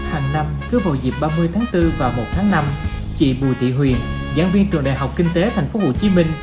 hàng năm cứ vào dịp ba mươi tháng bốn và một tháng năm chị bùi thị huyền giảng viên trường đại học kinh tế tp hcm